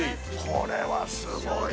これはすごい。